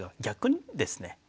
逆にですね